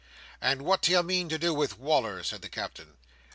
"And what d'ye mean to do with Wal"r?" said the Captain.